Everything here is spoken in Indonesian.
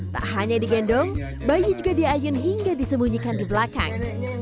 tak hanya digendong bayi juga diayun hingga disembunyikan di belakang